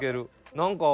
何か。